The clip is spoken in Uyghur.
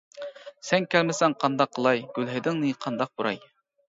سەن كەلمىسەڭ قانداق قىلاي، گۈل ھىدىڭنى قانداق پۇراي.